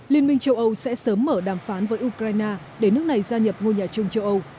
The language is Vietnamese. liên minh châu âu sẽ sớm mở đàm phán với ukraine để nước này gia nhập ngôi nhà chung châu âu